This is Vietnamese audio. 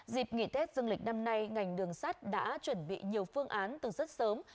dịp nghỉ tết dương lịch năm nay ngành đường sắt đã chuẩn bị nhiều phương án từ rất sớm